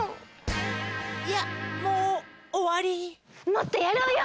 もっとやろうよ！